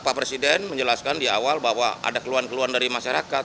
pak presiden menjelaskan di awal bahwa ada keluhan keluhan dari masyarakat